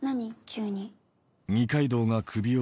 急に。